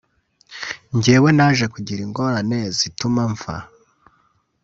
Njyewe naje kugira ingorane zituma mfa